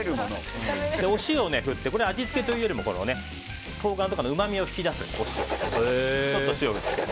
お塩を振って味付けというよりも冬瓜とかのうまみを引き出すちょっと塩を。